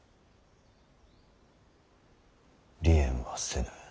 離縁はせぬ。